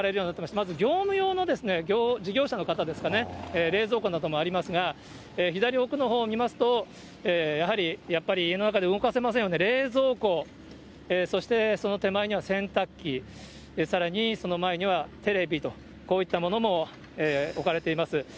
まず業務用の、事業者の方ですかね、冷蔵庫などもありますが、左奥のほう見ますと、やはり、やっぱり家の中で動かせませんよね、冷蔵庫、そしてその手前には洗濯機、さらにその前にはテレビと、こういったものも置かれています。